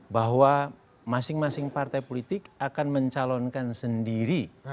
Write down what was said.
bahwa masing masing partai politik akan mencalonkan sendiri